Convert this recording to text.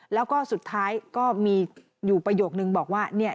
แล้วก็สุดท้ายก็มีอยู่ประโยคนึงบอกว่าเนี่ย